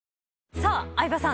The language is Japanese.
さあ相葉さん。